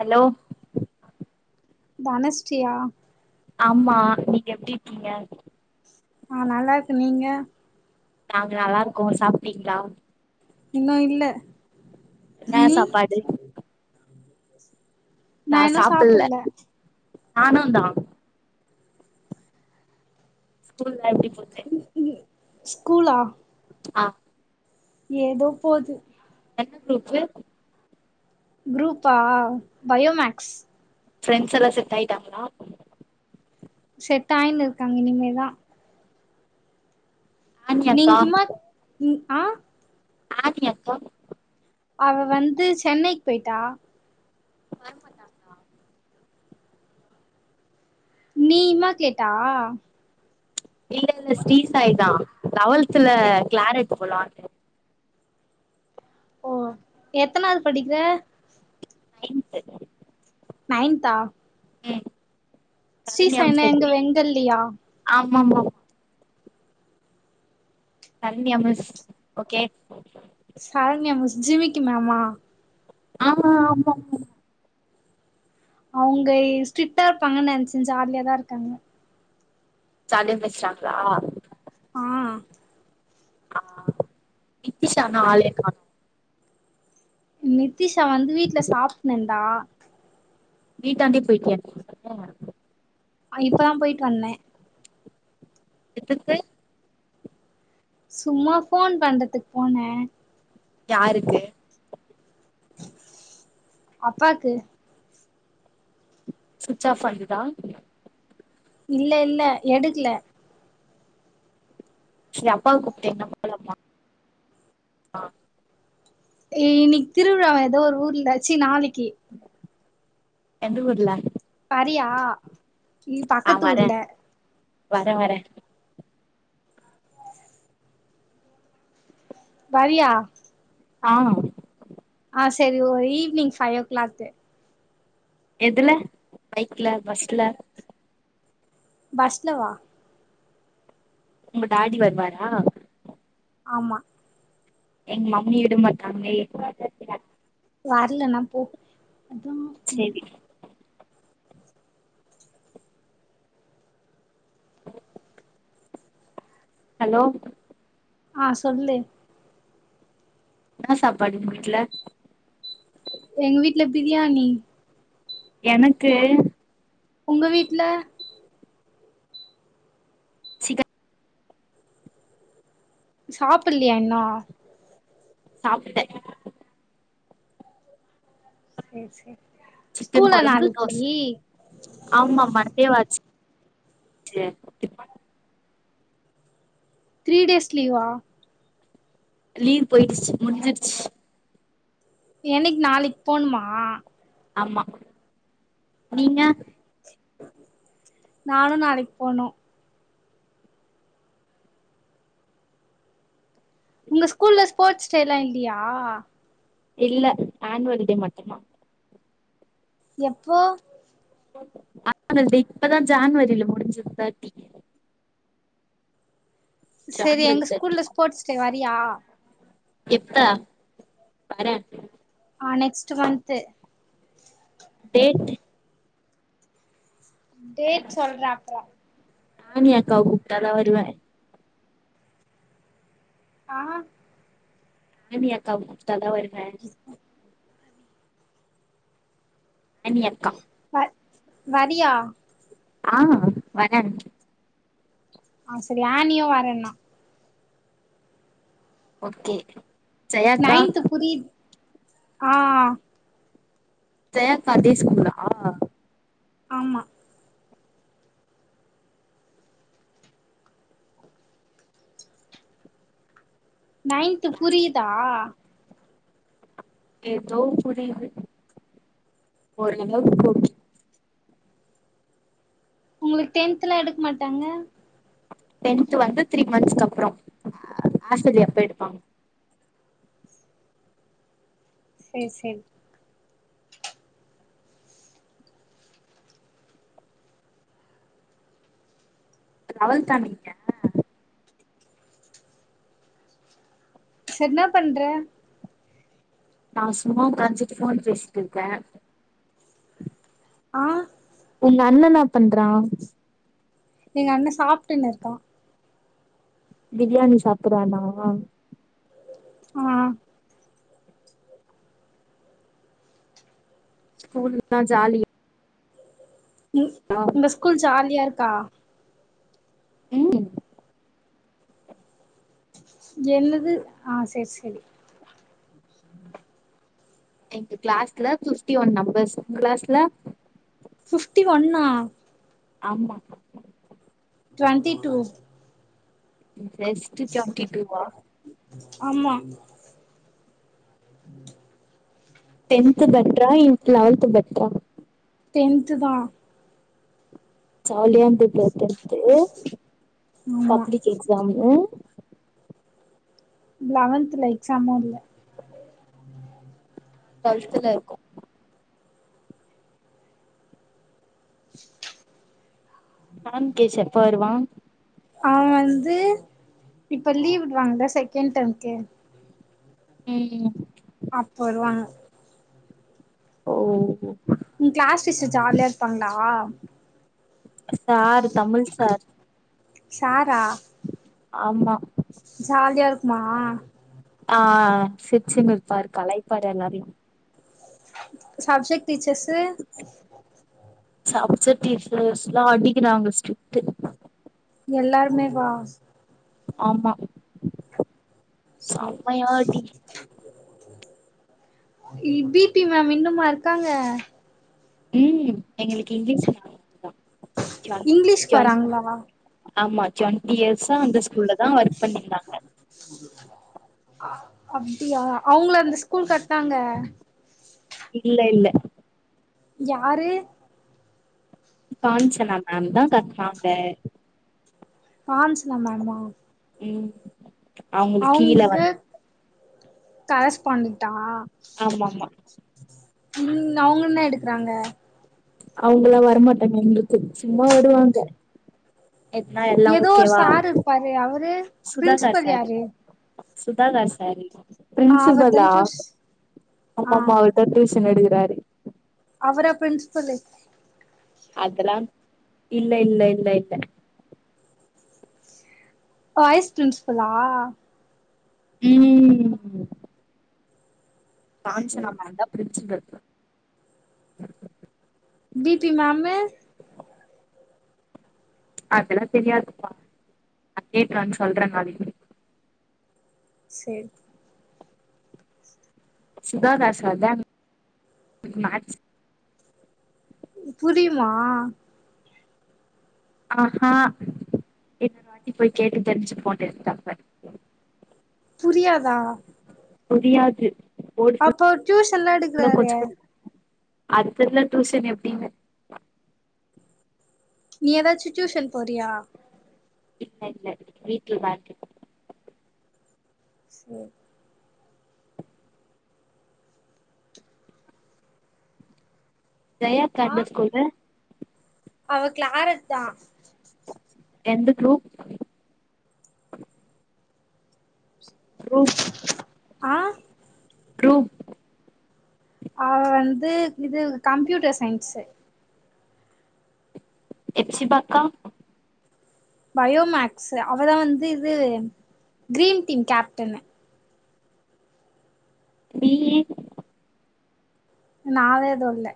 Hello தனஸ்ரீயா ஆமா நீங்க எப்டி இருக்கீங்க ஆ நல்லா இருக்க நீங்க நாங்க நல்லா இருக்கோ சாப்ட்டீங்ளா இன்னு இல்ல என்ன நீ சாப்பாடு நா இன்னு சாப்புட்ல சாப்புல்ல நானுந் தா ஸ்கூல்லா எப்டி போது ஸ்கூலா ஆ ஏதோ போது என்ன குரூப்பு குரூப்பா பயோமேக்ஸ் ஃரெண்ட்ஸ் எல்லா செட் ஆயிட்டாங்களா செட் ஆயினு இருக்காங்க இனிமேதா ஆனி நீங்க அக்கா சும்மாத் ம் ஆ [inaudible] அவ வந்து சென்னைக்கு போயிட்டா வரமாட்டாங்களா நீ இம்மா கேட்டா [unintelligible] ஸ்ரீசாய் தா லெவல்துல எ கிளாரட் போலான்னு ஓ எத்தனாவது படிக்கற நைன்த்து நைன்த்தா ம் ஸ்ரீ சரண்யா சாய்னா எங்க செட்டி வெங்கல்லியா ஆம்மாம்மா Saranya miss okay Saranya miss ஜிமிக்கு மேம்மா. ஆம்மா ஆமாம்மா அவுங்க ஸ்ட்ரிக்டா இருப்பாங்கன்னு நெனச்ச ஜாலியா தா இருக்காங்க ஜாலியா பேசுறாங்களா ஆ ஆ இத்திஷானா ஆளயே காணா நித்திஷா வந்து வீட்டுல சாப்டுன்னு இருந்தா வீட்டாண்டே போயிட்டியா நீயு ஆ இப்பதா போயிட்டு வந்த எதுக்கு சும்மா போன் பண்றதுக்கு போன யாருக்கு அப்பாக்கு சுவிச் ஆஃப் வந்துதா இல்ல இல்ல எடுக்கல சொ அப்பாக்கு [unintelligible] போலம்மா ஏ இன்னிக்கு திருவிழாவா எதோ ஒரு ஊர்ல ச்சி நாளைக்கி எந்த ஊர்ல வரியா இ ஆ வரே பக்கத்தூர்ல வரே வரே வரியா ஆ ஆ செரி ஓ ஈவி்னிங் ஃபை ஓ கிளாக்கு எதுல பைக்ல பஸ்ல பஸ்ல வா உங்க டாடி வருவாரா ஆமா எங்க மம்மி விட மாட்ராங்ளே வரலனா போ அதா சேரி ஹலோ ஆ சொல்லு என்னா சாப்பாடு உங்வீட்ல எங்க வீட்டுல பிரியாணி எனக்கு உங்க வீட்டுல சிக்க சாப்பில்லையா இன்னு சாப்டுட்டே சேரி சேரி சிக்கன் ஸ்கூலா கொழம்பு நாளக்கி தோச ஆமா மன்டே வாச்சே த்ரீ டேஸ் லீவா லீவ் போயிடுச்சு முடிஞ்சிடுச்சு என்னைக்கு நாளைக்கு போணுமா ஆமா நீங்க நானு நாளைக்கு போனு உங்க ஸ்கூல்ல ஸ்போர்ட்ஸ் டேல்லா இல்லியா இல்ல ஆன்வல் டே மட்டுதா எப்போ ஆன்வல் டே இப்பதா ஜான்வரியல முடிஞ்சிது தேட்டி சரி ஜான்வரி எங்க தேர்ட்டி ஸ்கூல்ல ஸ்போர்ட்ஸ் டே வரியா எப்ப வரே ஆ நெக்ஸ்ட் மந்த்து டேட்டு டேட் சொல்றே அப்றோ ஆணி அக்காவ கூப்டாதா வருவே அஹ் ஆணி அக்காவ கூப்டாதா வருவே [unintelligible] ஆணியக்கா வ வரியா ஆஹ் வரே ஆ சரி ஆனியு வரேன்னா ஓக்கே நைன்த்து புரியித் ஆ [unintelligible] சன்டேஸ் ஸ்கூலா ஆமா நைன்த்து புரியுதா எதோ புரியிது [unintelligible] உங்ளுக்கு டென்த்லா எடுக்க மாட்டாங்க டென்த்து வந்து த்ரீ மந்த்ஸுக்கு அப்றோ ஹாஃப்டயெலில அப்ப எடுப்பாங்க சேரி சேரி லவெல்த்தா நீங்க சேர் என்ன பண்ற நா சும்மா ஒக்காஞ்சிட்டு ஃபோன் பேசிட்ருக்கே ஆ உங்கண்ண என்னா பண்றா எங்க அண்ண சாப்ட்டுன்னு இருக்கா பிரியாணி சாப்புட்றானா ஆ ஸ்கூல் இல்லனா ஜாலி ம் ஆ உங்க ஸ்கூல் ஜாலியா இருக்கா ம் என்னது ஆ சேர் சேரி எங்க கிளாஸ்ல சுஸ்டி ஒன் நம்பர்ஸு உங்க கிளாஸ்ல ஃபிஃப்டி ஒன்னா ஆமாப்பா டுவென்ட்டி டூ ஜஸ்ட்டு செவன்ட்டி டூவா ஆமா டென்த்து பெட்ரா இன் லவெல்த்து பெட்ரா டென்த்து தா ஜாலியா இருந்தது டென்த்து ஆமா பப்ளிக் எக்ஸாமு லவென்த்துல எக்ஸாமு இல்ல டுவெல்த்துல இருக்கு ஃபாம் கேஷ் எப்பவருவா அவ வந்து இப்ப லீவ் விடுவாங்கல செகண்ட் டேம்க்கு ம் அப்ப வருவாங்க ஓஹோ உங் கிளாஸ் டீச்சர் ஜாலியா இருப்பாங்ளா சாரு தமிழ் சாரு சாரா ஆமா சாலியா இருக்குமா ஆ சிர்ச்சுன் இருப்பாரு கலாய்ப்பாரு எல்லாரையு சப்ஜெக்ட் டீச்சர்ஸு சப்ஜெக்ட் டீச்சர்ஸ்லா அடிக்கிறாங்க ஸ்ட்ரிக்ட்டு எல்லாருமேவா ஆமா சேரி செம்மையா அடி இ பி டீ மேம் இன்னும்மா இருக்காங்க ம் எங்களுக்கு இங்லீஷ் [inaudible] ஜாலி இங்கிலீஷ்க்கு ஜாலிதா வராங்களா ஆமா டுவண்ட்டி இயர்ஸா அந்த ஸ்கூல்லதா ஒர்க் பண்ணிந்தாங்க அப்டியா அவுங்ளா அந்த ஸ்கூல் கட்னாங்க இல்ல இல்ல யாரு காஞ்சனா மேம்தா கட்னாங்க காஞ்சனா மேமா ம் அவங்களுக்கு கீழ அவுங்ளுக்கு வந்து கரஸ்பாண்டட்டா ஆமா ஆமா ம் அவுங்க என்னா எடுக்கறாங்க அவுங்கெல்லா வரமாட்டாங்க எங்ளுக்கு சும்மா வருவாங்க எப்புன்னா எல்லா ஏதோ ஒரு ஓகேவா சார் இருப்பாரு அவரு சுதாகர் பிரின்சிபல் சாரு யாரு சுதாகர் சாரு ஆ அவர் தான் பிரின்சிபலா சூஸ் ஆ ஆமாம்மா அவரு டியூசன் எடுக்குறாரு அவரா பிரின்ஸ்பலு அதுல்லா இல்ல இல்ல இல்ல இல்ல வைஸ் பிரின்ஸ்பலா ம் காஞ்சனா சேரி மேம்தா பிரின்ஸ்சிபல் பிப்பி மேமு அதெல்லா தெரியாதுப்பா நா கேட்டு வந்து சொல்றே நாளிக்கு சேரி சுதாகர் சார்தா எங் எனக்கு மேக்ஸ்சு புரியுமா அ ஆ இன்னொரு வாட்டி போய் கேட்டு தெரிஞ்சுப்போ டெப்தாவே புரியாதா புரியாது போர்டு அப்போ டியூஷன்லா எடுக்றாரே அது தெர்ல டூயூஷன் எப்டின்னு நீ ஏதாச்சும் டியூஷன் போறியா இல்ல இல்ல வீட்லதா இருக்க சேர் ஜெயாக்கா ஆ எந்த ஸ்கூலு அவ கிளாரட்தா எந்த குரூப் குரூப் ஆ குரூப் அவ வந்து இது கம்ப்யூட்டர் சயின்ஸ்சு எப்சிபா அக்கா பயோ மேக்ஸ்சு அவதா வந்து இது கிரீன் டீம் கேப்டனு நீயி நாவேதொல்ல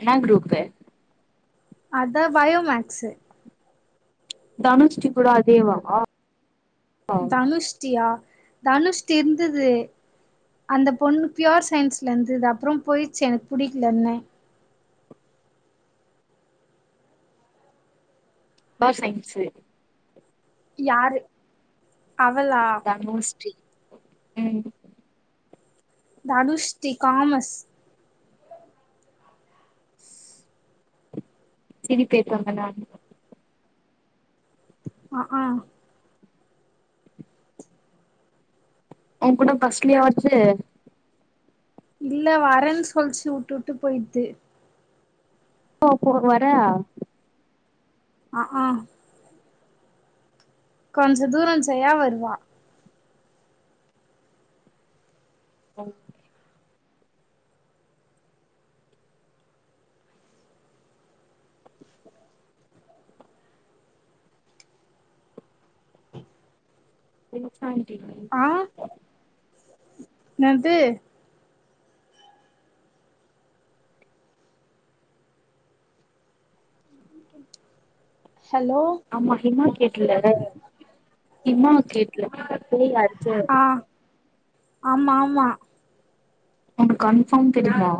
என்னா குரூப்பு அத்தா பயோ மேக்ஸ்சு தனுஸ்ரீ கூட அதேவா பயோ தனுஷ்டியா தனுஷ்டி இருந்தது அந்த பொண்ணு பியோர் சயின்ஸ்லருந்தது அப்றோ போயிச்சு எனுக்கு புடிக்கலன்னு பியார் சைன்ஸ்சு யாரு அவளா தனுஸ்ரீ ம் தனுஷ்டி காமஸ் சிரி கேப்பாங்கலா ஆஹா ஓங் கூட பஸ்லயா வந்துச்சி இல்ல வரேன் சொல்ச்சி வுட்டுவுட்டு போயிட்து போ போ வரே ஆ ஆ கொஞ்ச தூரோ ஜெயா வருவா ம் பூச்சாண்டி ஆ என்னது ஹலோ ஆமா ஹிமா கேடல ஹிமா கேட்டுல பேய்யாச்ச ஆ ஆமா ஆமா உனக்கு கன்பார்ம் தெரியுமா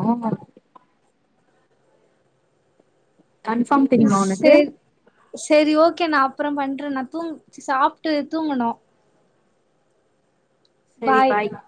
கன்ஃபார்ம் தெரியுமா உனக்கு சரி சரி ஓகே நா அப்றோ பண்ணுறே நா தூங்க சாப்ட்டு தூங்கணு சரி பாய் மா